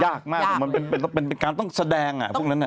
ยากมากมันเป็นการต้องแสดงพวกนั้น